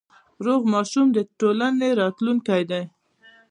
روغ ماشوم د ټولنې راتلونکی دی۔